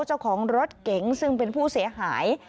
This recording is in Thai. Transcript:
เจ้าของรถเก๋งซึ่งเป็นผู้เสียหาย